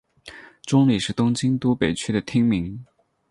中里是东京都北区的町名。